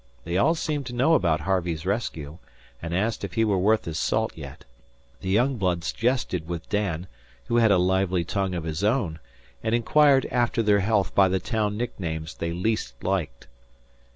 They all seemed to know about Harvey's rescue, and asked if he were worth his salt yet. The young bloods jested with Dan, who had a lively tongue of his own, and inquired after their health by the town nicknames they least liked.